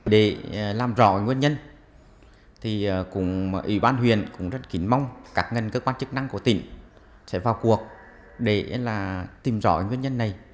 để làm rõ nguyên nhân thì ủy ban huyện cũng rất kính mong các cơ quan chức năng của tỉnh sẽ vào cuộc để tìm rõ nguyên nhân này